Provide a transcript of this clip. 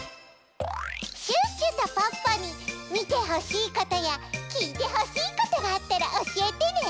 シュッシュとポッポにみてほしいことやきいてほしいことがあったらおしえてね！